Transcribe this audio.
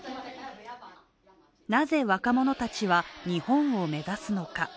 なぜ若者たちは日本を目指すのか。